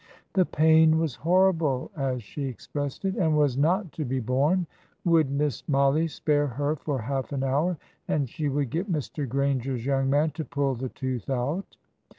"The pain was horrible," as she expressed it, "and was not to be borne. Would Miss Mollie spare her for half an hour, and she would get Mr. Grainger's young man to pull the tooth out?"